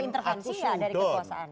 itu kan aku suhudon